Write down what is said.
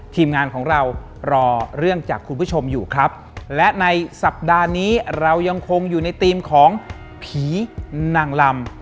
ทีมงานของเรารอเรื่องจากคุณผู้ชมอยู่ครับและในสัปดาห์นี้เรายังคงอยู่ในธีมของผีนางลำ